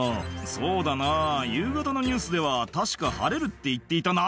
「そうだな夕方のニュースでは確か晴れるって言っていたな」